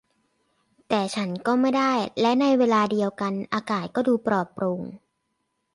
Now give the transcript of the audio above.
แต่ฉันก็ไม่ได้และในเวลาเดียวกันอากาศก็ดูปลอดโปร่ง